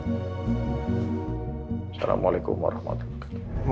assalamualaikum warahmatullahi wabarakatuh